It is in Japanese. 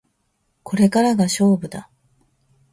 これからが勝負だ